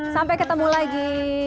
sampai ketemu lagi